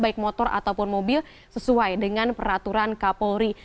baik motor ataupun mobil sesuai dengan peraturan kapolri